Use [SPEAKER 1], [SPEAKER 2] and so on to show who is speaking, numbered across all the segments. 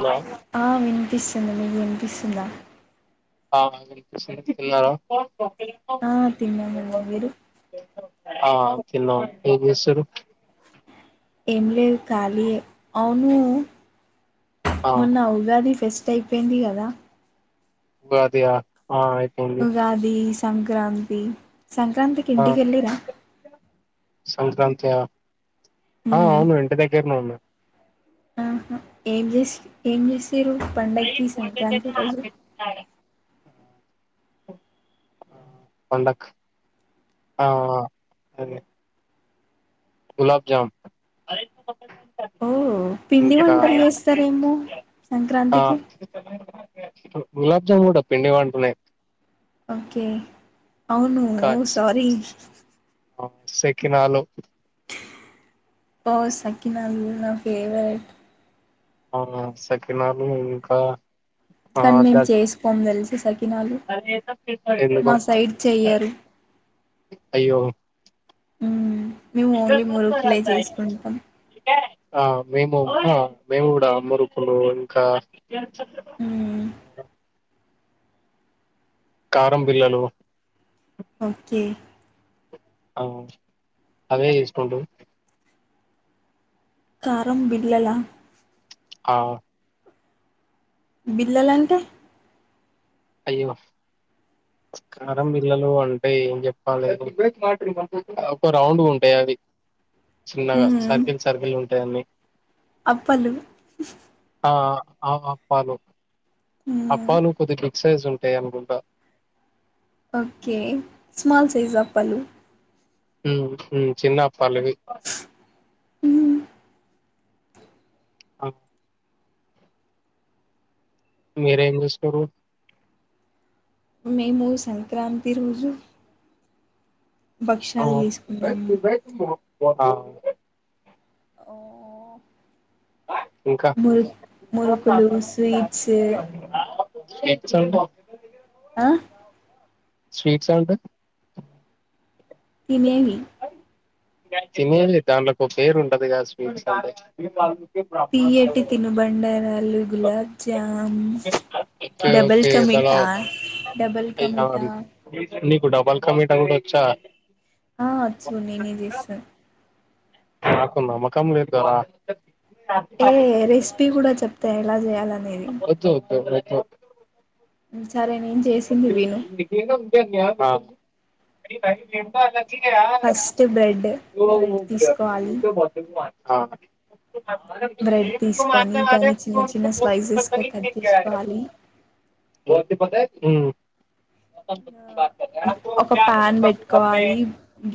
[SPEAKER 1] Hello
[SPEAKER 2] ఆ వినిపిస్ చిన్నలు వినిపిస్తుందా
[SPEAKER 1] ఆ తిన్నార
[SPEAKER 2] ఆ తిన్నానండి మీరు
[SPEAKER 1] ఆ తిన్న ఏం చేసూర్రూ
[SPEAKER 2] ఏం లేదు ఖాలీ ఎ అవును
[SPEAKER 1] ఆ
[SPEAKER 2] మొన్న ఉగాది ఫెస్ట్ అయిపోయింది కదా
[SPEAKER 1] ఉద్యా ఆ ఆయితే ఏంది
[SPEAKER 2] ఉగాది సంక్రాంతి సంక్రాంతికి ఇంటికి ఎల్లి ర
[SPEAKER 1] సంక్రాంతయా ఆ
[SPEAKER 2] మ్మ్.
[SPEAKER 1] అవును ఇంటి దగ్గేర్ నే వున్న
[SPEAKER 2] ఆహా ఏం చేస్ ఏం చేస్ తిరుపండక్కి సంక్రాంతి రోజు
[SPEAKER 1] పండక ఆ ఆ గులాబ్ జామ్
[SPEAKER 2] ఓ పిండి
[SPEAKER 1] ఇంకా
[SPEAKER 2] వంటలు చేస్తరేమో సంక్రాంతికి
[SPEAKER 1] ఇడు గులాబ్జామున్ కూడా పిండివంటనే
[SPEAKER 2] ఓకే అవును
[SPEAKER 1] కా
[SPEAKER 2] ఓ సారీ
[SPEAKER 1] సెకినాలు
[SPEAKER 2] పో సకిన నా ఫేవరెట్
[SPEAKER 1] ఆ సకినాలు ఇంకా
[SPEAKER 2] కానీ మేము చేసుకోొని తెలిసి సే
[SPEAKER 1] అ
[SPEAKER 2] చెయ్యరు
[SPEAKER 1] అయ్యో
[SPEAKER 2] ఉ మేము ఓన్లీ మురుకులే చేసుకుంటాం
[SPEAKER 1] ఆ మేము మేము కూడా మురుకులు ఇంకా
[SPEAKER 2] మ్మ్
[SPEAKER 1] కారం బిల్లలు
[SPEAKER 2] ఓకే
[SPEAKER 1] అ అవే ఇష్టం ఉంట
[SPEAKER 2] కారం బిల్లలా
[SPEAKER 1] ఆ
[SPEAKER 2] బిల్లలంటే
[SPEAKER 1] అయ్యో కారం బిల్లలు అంటే ఏం చెప్పాలె ఒక రౌండ్గ ఉంటాయి అవి చిన్నగా
[SPEAKER 2] మ్మ్
[SPEAKER 1] సర్కిల్ సర్కిల్ ఉంటాయిన్నన్ని
[SPEAKER 2] అప్పలు
[SPEAKER 1] ఆ అప్పాలు
[SPEAKER 2] మ్మ్
[SPEAKER 1] అప్పాను కుదిట్లు ఎక్ససైజ్ ఉంటాయి అనుకుడా
[SPEAKER 2] ఓకే స్మాల్ సైజ్ అప్పలు
[SPEAKER 1] చిన్నప్ప అళగు
[SPEAKER 2] మ్మ్
[SPEAKER 1] అ మీరే ఏం చేస్తుర్రు
[SPEAKER 2] మేము సంక్రాంతి రోజు
[SPEAKER 1] అ
[SPEAKER 2] భక్షాలు చేసుకున్నాం
[SPEAKER 1] బయతు ఓ ఆ
[SPEAKER 2] ఓ
[SPEAKER 1] ఇంకా?
[SPEAKER 2] మురు మురుకులు స్వీట్స్
[SPEAKER 1] [unintelligible]
[SPEAKER 2] ఆ
[SPEAKER 1] స్వీట్స్ అంటే
[SPEAKER 2] తినేవి
[SPEAKER 1] తినేలే దాంలోకి ఒక పేరు ఉంటది కదా స్వీట్స్ అంటే
[SPEAKER 2] తీయటి తినుబండారాలు gulab jamun
[SPEAKER 1] okay
[SPEAKER 2] double
[SPEAKER 1] okay దలా
[SPEAKER 2] కమిటా డబల్
[SPEAKER 1] అయ్యా
[SPEAKER 2] కమిటా
[SPEAKER 1] మరి నీకు డబల్ కమిట గూడా వచ్చా
[SPEAKER 2] ఆ ఆచ్చు నేను తీస్తారు
[SPEAKER 1] నాకు నమ్మకం లేదు దొర
[SPEAKER 2] ఏ రెసిపీ కూడా చెప్తా ఎలా చేయాలి
[SPEAKER 1] ఒద్దు ఒద్దు ఓ
[SPEAKER 2] సరే నేను చేసింది విను ఫస్ట్ బ్రెడ్ బ్రెడ్ తీసుకోవాలి
[SPEAKER 1] ఆ [inaudible] [unintelligible] ఆ
[SPEAKER 2] బ్రెడ్ తీసుకొని దాని చిన్న చిన్న స్లైసెస్ గా కట్ చేసుకోవాలి
[SPEAKER 1] హు
[SPEAKER 2] ఒక ప్యాన్ పెట్టుకోవాలి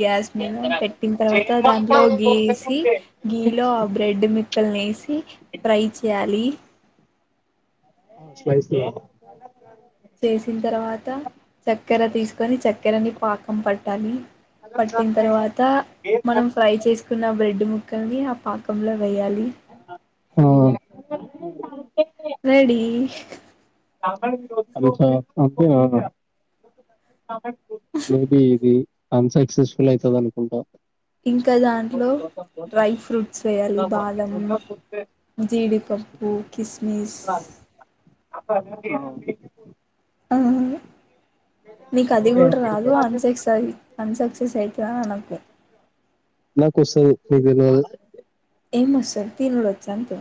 [SPEAKER 2] గ్యాస్ మీద పెట్టిన తర్వాత దాంట్లో గీ వేసి గీలో ఆ బ్రెడ్ మిక్కల్ని వేసి ఫ్రై చేయాలి
[SPEAKER 1] స్లైస్
[SPEAKER 2] చేసిన తర్వాత చక్కెర తీసుకొని చక్కెర ని పాకం పట్టాలి పట్టిన తర్వాత మనం ఫ్రై చేసి న్న బ్రెడ్ ముక్కల్ని ఆ పాకంలో వేయ్యాలి
[SPEAKER 1] ఆ,
[SPEAKER 2] రెడి
[SPEAKER 1] [unintelligible] మేబి ఇది అన్ సక్సెస్ఫుల్ అయితది అనుకుంటా
[SPEAKER 2] ఇంకా దాంట్లో డ్రై ఫ్రూట్స్ వేయాలి బాదము, జీడిపప్పు, కిస్మిస్
[SPEAKER 1] హు
[SPEAKER 2] ఆ నీకు అది కూడా రాదు అన్సక్స అన్సక్సెస్ అయి అట్లా అనకు
[SPEAKER 1] నా కోస్తాది నీకు [unintelligible]
[SPEAKER 2] ఏమో సార్ తినుడువచ్చు అంతే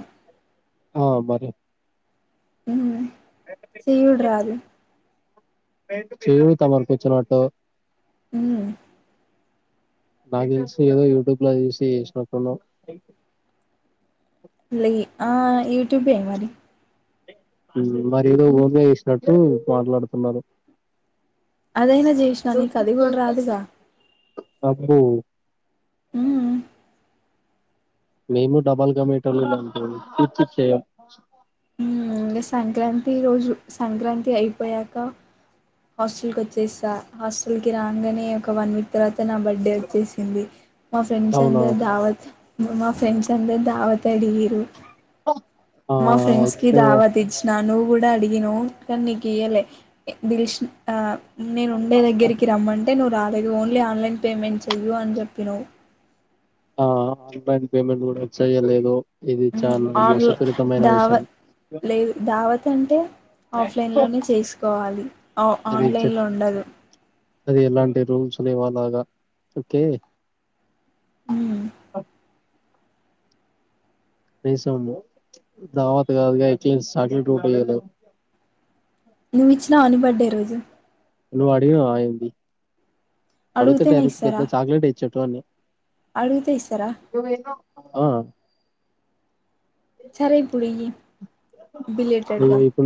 [SPEAKER 1] ఆ బరే
[SPEAKER 2] హు చేయడు రాదు
[SPEAKER 1] చేయడు తమరుకు వచ్చినట్టు
[SPEAKER 2] ఉ
[SPEAKER 1] నా తెలిసి ఏదో యూట్యూబ్ లో చూసి చేసినట్టు ఉండవ్
[SPEAKER 2] లే ఆ యట్యూబ్ ఏ మరి
[SPEAKER 1] మరి ఏదో నువ్వే చేసినట్టు మాట్లాడుతున్నారు
[SPEAKER 2] అదైనా చేసినా నీకు అది కూడా రాదుగా
[SPEAKER 1] అబ్బో
[SPEAKER 2] హు
[SPEAKER 1] మేము డబల్కా మీట [unintelligible]
[SPEAKER 2] ఇంకా సంక్రాంతి రోజు సంక్రాంతి అయిపోయాక హాస్టల్కి వచ్చేసా హాస్టల్కి రాగానే ఒక వన్ వీక్ తర్వాత నా బర్త్డే వచ్చేసింది మా ఫ్రెండ్స్
[SPEAKER 1] అవునా
[SPEAKER 2] అందరు దావత్ మా ఫ్రెండ్స్ అందరు దావత్ అడిగిర్రు
[SPEAKER 1] ఆ
[SPEAKER 2] మా ఫ్రెండ్స్ కి
[SPEAKER 1] ఇయ్యలే
[SPEAKER 2] దావత్ నా నువ్వు కూడా అడిగనవ్ కానీ నీకు ఇయలే దిల్స్ ఆ నేను ఉండే దగ్గరికి రమ్మంటే నువ్ రాలేదు ఓన్లీ ఆన్లైన్ పేమెంట్ చెయ్యి అని చెప్పినావ్
[SPEAKER 1] ఆ ఆన్లైన్ పేమెంట్ కూడా చెయ్యలేదు
[SPEAKER 2] ఆన్ల దావ లేదు దావత్ అంటే ఆఫ్లైన్లోనే చేసుకోవాలి
[SPEAKER 1] అది చెప్
[SPEAKER 2] ఆన్లైన్లో ఉండదు
[SPEAKER 1] అది ఎలాంటి రూల్స్ లేవాలాగా ఓకే అ కనీసము దావాత్ కాదు క ఎట్లీ సాక్లెట్ గూడియ్యలేదు
[SPEAKER 2] నువ్వు ఇచ్చినవా ని బర్డే రోజు
[SPEAKER 1] నువడిగినవా ఆ ఎంది అడుతే
[SPEAKER 2] అడుగుతేనే
[SPEAKER 1] డైరెక్ట్ పెద్ద
[SPEAKER 2] ఇస్తారా
[SPEAKER 1] చాక్లెట్ ఇచ్చేట్టు అని
[SPEAKER 2] అడిగితే ఇస్తారా
[SPEAKER 1] ఆ
[SPEAKER 2] సరే ఇప్పుడు ఇయ్యి
[SPEAKER 1] ఇ
[SPEAKER 2] బిలేటెడ్గా
[SPEAKER 1] ఇకు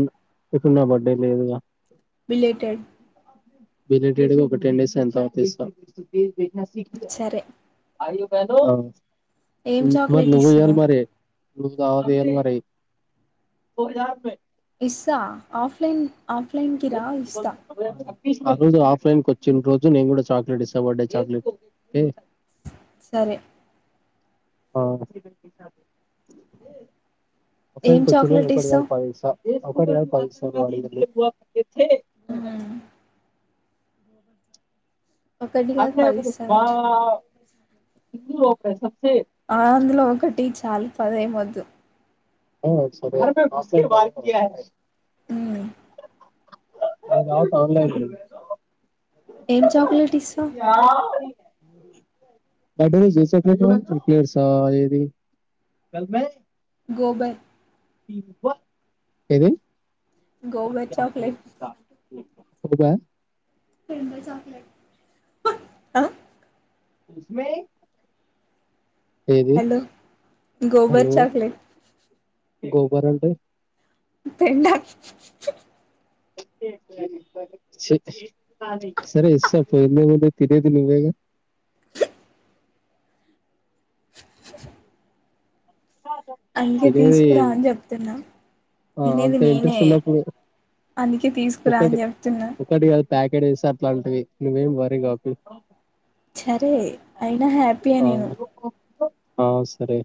[SPEAKER 1] ఇకున్న బడే లేదుగా
[SPEAKER 2] బిలేటెడ్
[SPEAKER 1] బిలేటెడ్ గ ఒక టెన్ డేస్ ఐన్తర్వాత ఇస్త సఖ
[SPEAKER 2] సరే
[SPEAKER 1] అ ఆ
[SPEAKER 2] ఏం
[SPEAKER 1] మ్ మరి
[SPEAKER 2] చాక్లెట్
[SPEAKER 1] నువ్వైయ్యాలి
[SPEAKER 2] ఇస్తున్నావు
[SPEAKER 1] మరి ప్డు దావత్ ఇయ్యాల్ మరి
[SPEAKER 2] ఇస్సా ఆఫ్లైన్ ఆఫ్లైన్ కిరా ఇస్స
[SPEAKER 1] ఆ రోజు ఆఫ్లైన్ క వచ్చి రోజు నేన్ గూడ చాక్లెట్ ఇస్తా బడ్డే చాక్లెట్
[SPEAKER 2] సరే
[SPEAKER 1] ఆ అ
[SPEAKER 2] ఏం
[SPEAKER 1] కొ
[SPEAKER 2] చాక్లెట్
[SPEAKER 1] ఒక
[SPEAKER 2] ఇస్తావు
[SPEAKER 1] పాసా ఒకటి కస వా ఇ హె హె
[SPEAKER 2] ఒకటి
[SPEAKER 1] అ
[SPEAKER 2] కాదు పది
[SPEAKER 1] బా
[SPEAKER 2] ఇస్తారట
[SPEAKER 1] సిధు లో సబ్స
[SPEAKER 2] ఆ అందులో ఒకటి చాలు పదేమ్ ఒద్దు
[SPEAKER 1] ఆ సరె
[SPEAKER 2] ఉం
[SPEAKER 1] అ రా ఆన్లైన్లెయి
[SPEAKER 2] ఏం చాక్లెట్ ఇస్సవ్
[SPEAKER 1] [unintelligible]
[SPEAKER 2] గోబర్
[SPEAKER 1] ఏది
[SPEAKER 2] గోబర్ చాక్లెట్
[SPEAKER 1] [unintelligible] ఒకటా
[SPEAKER 2] వంద చాక్లేట్లు అ
[SPEAKER 1] మే
[SPEAKER 2] హలో గోబర్ చాక్లేట్
[SPEAKER 1] గోబార్ అంటే
[SPEAKER 2] తెల్ దా
[SPEAKER 1] చి సరే ఇస్తా పోయింది తినే ది నువేగా
[SPEAKER 2] అందుకే
[SPEAKER 1] తినేది
[SPEAKER 2] తీసుకురా అని చెప్తున్నా
[SPEAKER 1] ఆ అంత
[SPEAKER 2] తినేది నేనే
[SPEAKER 1] ఇంట్రెస్ట్ ఉన్నప్పుడు
[SPEAKER 2] అందుకే తీసుకురా
[SPEAKER 1] ఒకటి
[SPEAKER 2] అని చెప్తున్నా
[SPEAKER 1] ఒకటి కాదు ప్యాకెట్ తెస్తా అట్లాంటివి నువ్వేమి వర్రీ కాకు
[SPEAKER 2] సరే అయినా హ్యాపీయె
[SPEAKER 1] ఆ
[SPEAKER 2] నేను
[SPEAKER 1] ఆ సరే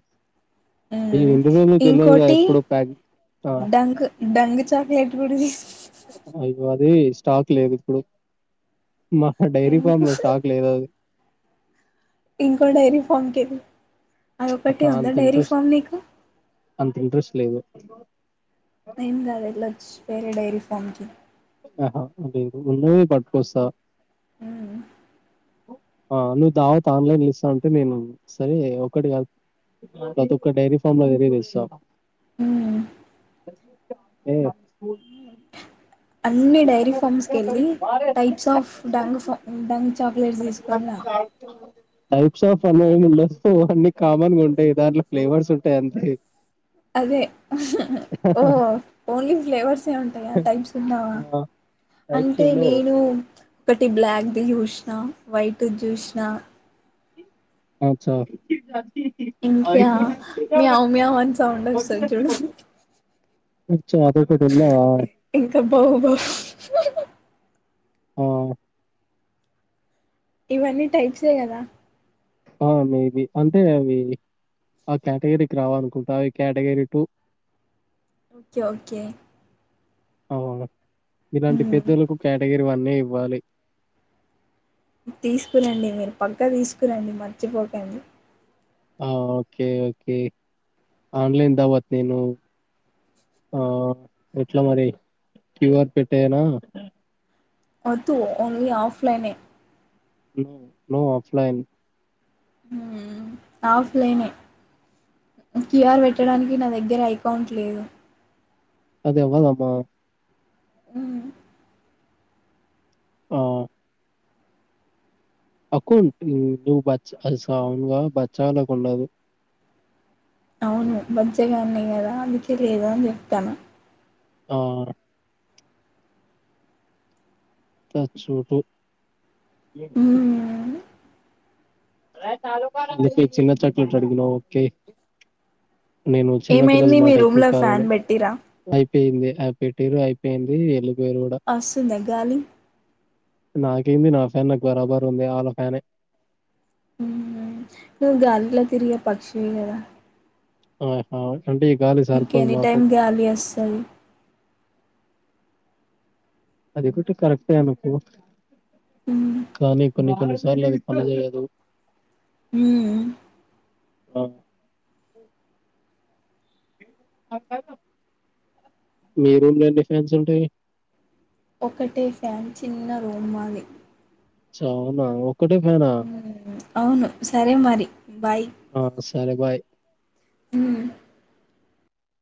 [SPEAKER 1] ఈ
[SPEAKER 2] మ్మ్
[SPEAKER 1] రెండు రోజులు తెలియదు కదా
[SPEAKER 2] ఇంకోటి
[SPEAKER 1] ఎప్పుడు ప్యాక్ ఆ
[SPEAKER 2] డంక్ డంగ్ చాక్లెట్ కూడా తిస్
[SPEAKER 1] అయపాది స్టాక్ లేదు ఇప్పుడు మా డైరీ
[SPEAKER 2] ఎందుకు
[SPEAKER 1] ఫార్మ్ లో స్టాక్ లేదు అది
[SPEAKER 2] ఇంకో డైరీ ఫార్మ్ కీళ్ళు అదొకటి
[SPEAKER 1] ఆహా
[SPEAKER 2] ఉందా
[SPEAKER 1] అంత
[SPEAKER 2] డైరీ
[SPEAKER 1] ఇంట్రెస్ట్
[SPEAKER 2] ఫార్మ్ నీకు
[SPEAKER 1] అంత ఇంట్రెస్ట్ లేదు
[SPEAKER 2] ఏం కాదుఎల్లొచు వేరే డైరీ ఫార్మ్ కి
[SPEAKER 1] ఆహా లేదు ఉన్నవి పట్టుకొస్తా
[SPEAKER 2] హ్మ్
[SPEAKER 1] ఆ నువ్వు ధావత్ ఆన్లైన్ ఇస్తా అంటే నేను సరే ఒకటి ప్రతి ఒక్క డైరీ ఫామ్ లో దెగ్గరపోయి తెస్తా
[SPEAKER 2] మ్మ్ అన్ని డైరీ ఫార్మ్స్కి వెళ్ళి టైప్స్ ఆఫ్ డంగ్ ఫ డంగ్ చాక్లెట్స్ తీసుకునిరా
[SPEAKER 1] టైప్స్ ఆఫ్ అన్న [unintelligible] అన్ని కామన్ గా ఉంటాయి దాంట్లో ఫ్లేవర్స్ ఉంటాయి అంతే
[SPEAKER 2] అదే ఓహ ఓన్లీ ఫ్లేవర్స్ ఏ ఉంటాయా టైమ్స్ ఉన్నా
[SPEAKER 1] టైప్స్
[SPEAKER 2] అంటే
[SPEAKER 1] ఉండవు
[SPEAKER 2] నేను ఒకటి బ్లాక్ ది చూసినా వైట్ చూసిన
[SPEAKER 1] అచ్చా
[SPEAKER 2] ఇంకా మియావ్ మియావ్ అని సౌండ్ వస్తది చూడు
[SPEAKER 1] ఓ చ అది ఒకటి ఉందా
[SPEAKER 2] ఇంకా బౌ బౌ
[SPEAKER 1] ఆ
[SPEAKER 2] ఇవన్నీ టైప్స్ ఎ కదా
[SPEAKER 1] ఆ మే బి అంటే అవి ఆ కటగిరీ రావాలనుకుంటా అవి కటగిరీ టూ
[SPEAKER 2] ఓకే ఓకే
[SPEAKER 1] అవు ఇలాంటి పెద్దలకు కటగిరీ వన్ ఎ ఇవ్వాలి
[SPEAKER 2] తీసుకురండి మీరు పక్క తీసుకు
[SPEAKER 1] ఆ ఓకే ఓకే ఆన్లైన్ ధావత్ నేను ఆ ఎట్లా మరి క్యూఆర్ పెటేయనా
[SPEAKER 2] వద్దు ఓన్లీ ఆఫ్లైనే
[SPEAKER 1] నో నో ఆఫ్లైన్
[SPEAKER 2] ఆఫ్లైనే క్యూఆర్ పెట్టడానికి నా దగ్గర ఏకౌంట్ లేదు
[SPEAKER 1] అది అవ్వదమ్మ
[SPEAKER 2] హ్
[SPEAKER 1] ఆ అకౌంటు నువ్ బచ్చ అరె సా ను బచ్చాగాళ్ళకుండదు
[SPEAKER 2] అవున్లే బచ్చగాన్ని కదా అందుకే లేదు అని చెప్తన్నా
[SPEAKER 1] ఆ త చోటు ఏ
[SPEAKER 2] హ్మ్
[SPEAKER 1] ఒకే చిన్న చాక్లట్ అడుగుతా ఓకే నేను చిన్నపిల్లల
[SPEAKER 2] ఏమైంది మీ
[SPEAKER 1] మాట ఎప్పుడు
[SPEAKER 2] రూమ్లో ఫ్యాన్
[SPEAKER 1] కాదనను
[SPEAKER 2] పెట్టిరా
[SPEAKER 1] పోయింది అది పెట్టరు అయిపోయింది ఎల్
[SPEAKER 2] ఓసుందా గాలి
[SPEAKER 1] నాకేంది నా ఫ్యాన్ నాకు బరాబర్ ఉంది ఆళ్ళ ఫ్యానే
[SPEAKER 2] హ్మ్ నువ్వు గాలి లో తిరిగే పక్షివి కదా
[SPEAKER 1] ఆహా అంటే ఈ గాలి
[SPEAKER 2] నీక్
[SPEAKER 1] సరిపోదు
[SPEAKER 2] ఎనీ
[SPEAKER 1] మాకు
[SPEAKER 2] టైమ్ గాలి వస్తది
[SPEAKER 1] అదొకటి కరెక్టే అనుకో
[SPEAKER 2] హ్మ్
[SPEAKER 1] కానీ కొన్ని కొన్ని సార్లు అవి పని చేయదు
[SPEAKER 2] హ్మ్
[SPEAKER 1] ఆ మీ రూమ్ లో డిస్టబెన్స్ ఏంటి
[SPEAKER 2] ఒకటే ఫ్యాన్ చిన్న రూమ్ మాది
[SPEAKER 1] చ అవునా ఒక్కటే ఫ్యానా
[SPEAKER 2] అవును సరే మరి బాయ్
[SPEAKER 1] ఆ, సరే బాయ్
[SPEAKER 2] హ్మ్